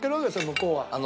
向こうは。